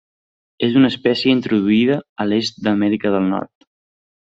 És una espècie introduïda a l'est d'Amèrica del Nord.